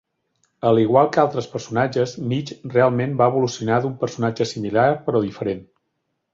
A l'igual que altres personatges, Midge realment va evolucionar d'un personatge similar però diferent.